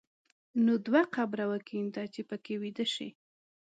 نو دوه قبره وکینده چې په کې ویده شې.